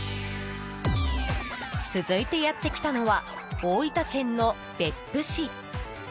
続いてやってきたのは大分県の別府市。